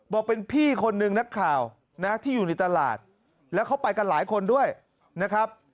บอกเป็นพี่คนนึงนักข่าวนะที่อยู่ในตลาดแล้วเขาไปกันหลายคนด้วยนะครับ